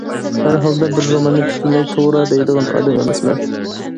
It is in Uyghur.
ھەرھالدا بىر روماننى پۈتۈنلەي توغرا، دەيدىغان ئادەم ئەمەسمەن.